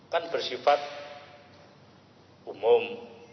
kan bersifat umum